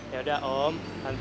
yaudah om tante